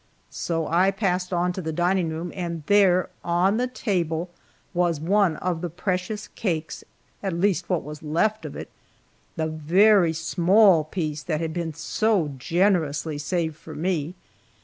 So I passed on to the dining room, and there, on the table, was one of the precious cakes at least what was left of it, the very small piece that had been so generously saved for me.